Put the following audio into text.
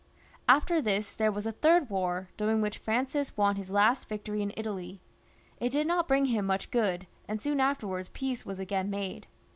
After this there was a third war, during which Francis won his last victory in Italy. It did not bring him much good, and soon afterwards peace was again made.